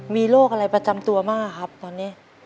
มีโรคอะไรประจำตัวมากครับตอนนี้